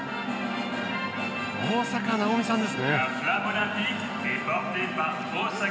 大坂なおみさんですね。